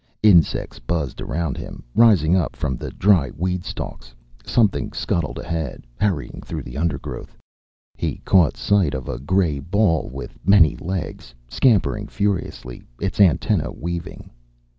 Insects buzzed around him, rising up from the dry weed stalks. Something scuttled ahead, hurrying through the undergrowth. He caught sight of a grey ball with many legs, scampering furiously, its antennae weaving.